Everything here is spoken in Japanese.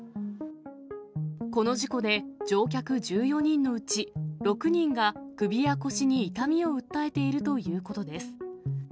この事故で、乗客１４人のうち、６人が首や腰に痛みを訴えているということです。